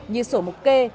như sổ mục kê